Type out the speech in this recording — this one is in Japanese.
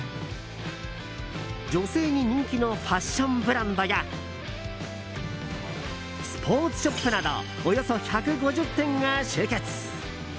女性に人気のファッションブランドやスポーツショップなどおよそ１５０店が集結。